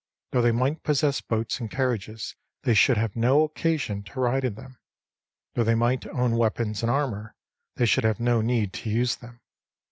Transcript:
Though they might possess boats and carriages, they should have no occasion to ride in them. Though they might own weapons and armour, they should have no need to use them.